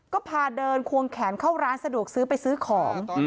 ก็พาเดินควงแขนเข้าร้านสะดวกซื้อไปซื้อของ